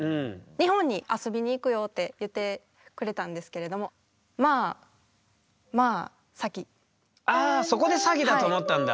「日本に遊びに行くよ」って言ってくれたんですけれどもまあまああそこで詐欺だと思ったんだ。